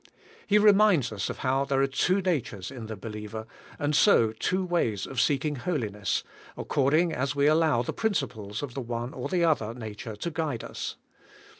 He reminds us how there are two natures in the believer, and so two ways of seeking holiness, accord ing as we allow the principles of the one or other nature to guide us.